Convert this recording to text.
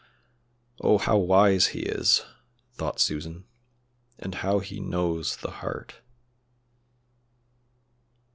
"Oh, how wise he is!" thought Susan, "and how he knows the heart!"